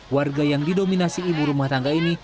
warga yang didominasi ibu rumah tangga ini